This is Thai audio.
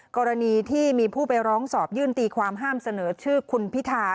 กรณีที่มีผู้ไปร้องสอบยื่นตีความห้ามเสนอชื่อคุณพิธา